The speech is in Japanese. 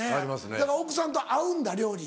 だから奥さんと合うんだ料理。